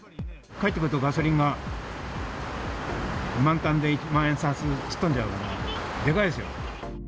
帰ってくるとガソリンが満タンで、万札吹っ飛んじゃうから、でかいですよ。